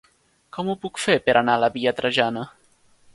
Com ho puc fer per anar a la via Trajana?